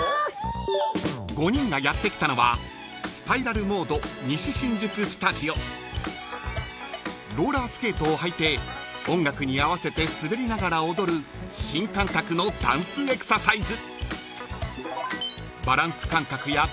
［５人がやって来たのは］［ローラースケートを履いて音楽に合わせて滑りながら踊る新感覚のダンスエクササイズ］